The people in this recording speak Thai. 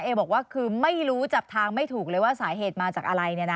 บอกว่าคือไม่รู้จับทางไม่ถูกเลยว่าสาเหตุมาจากอะไร